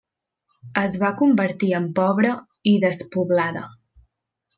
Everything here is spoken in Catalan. Es va convertir en pobra i despoblada.